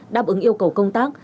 đáp ứng yêu cầu công tác